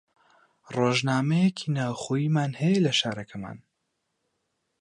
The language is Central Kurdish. ڕۆژنامەیەکی ناوخۆییمان هەیە لە شارەکەمان